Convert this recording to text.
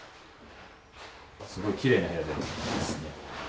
すごいきれいな部屋でいいですね。